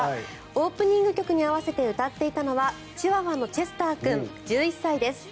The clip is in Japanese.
オープニング曲に合わせて歌っていたのはチワワのチェスター君１１歳です。